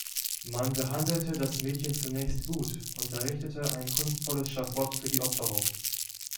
Man behandelte das Mädchen zunächst gut und errichtete ein kunstvolles Schafott für die Opferung.